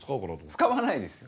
使わないですよ。